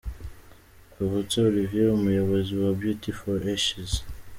Kavutse Olivier umuyobozi wa Beauty For Ashes.